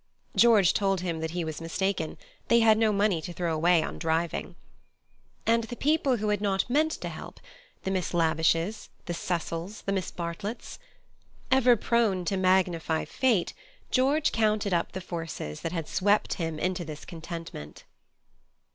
George told him that he was mistaken; they had no money to throw away on driving. And the people who had not meant to help—the Miss Lavishes, the Cecils, the Miss Bartletts! Ever prone to magnify Fate, George counted up the forces that had swept him into this contentment.